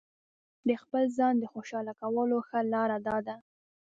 د خپل ځان د خوشاله کولو ښه لاره داده.